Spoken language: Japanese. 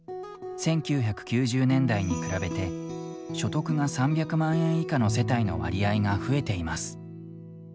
１９９０年代に比べて所得が３００万円以下の世帯の割合が増えています。